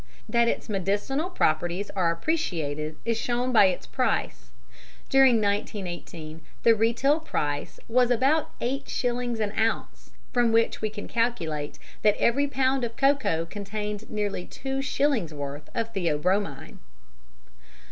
That its medicinal properties are appreciated is shown by its price: during 1918 the retail price was about 8 shillings an ounce, from which we can calculate that every pound of cocoa contained nearly two shillingsworth of theobromine.